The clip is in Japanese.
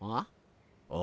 あ？